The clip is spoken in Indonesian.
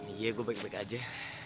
iya gue baik baik aja